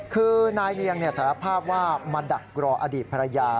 คือนายเนียงสารภาพว่ามาดักรออดีตภรรยา